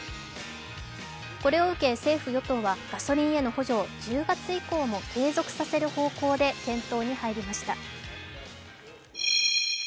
これを受け政府・与党はガソリンへの補助を１０月以降も継続させる方向で検討に入りました。